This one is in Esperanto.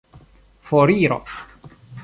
foriro